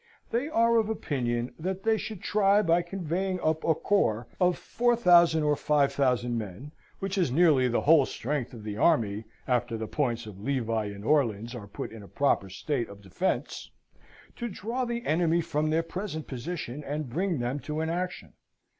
They are of opinion that they should try by conveying up a corps of 4000 or 5000 men (which is nearly the whole strength of the army, after the points of Levi and Orleans are put in a proper state of defence) to draw the enemy from their present position, and bring them to an action.